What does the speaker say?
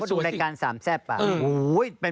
ดูรายการสามแซ่บอ่ะ